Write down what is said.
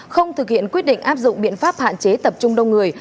không thực hiện quyết định áp dụng biện pháp hạn chế tập trung đông người